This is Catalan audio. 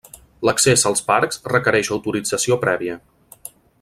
L'accés als parcs requereix autorització prèvia.